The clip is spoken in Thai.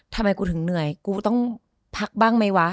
ทำไมกูถึงเหนื่อยกูต้องพักบ้างไหมวะ